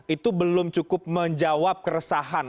itu belum cukup menjawab keresahan